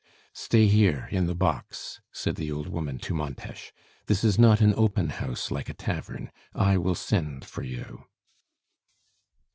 "Stay here in the box," said the old woman to Montes. "This is not an open house like a tavern. I will send for you."